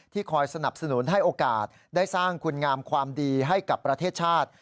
คอยสนับสนุนให้โอกาสได้สร้างคุณงามความดีให้กับประเทศชาติ